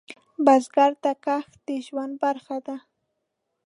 بزګر ته کښت د ژوند برخه ده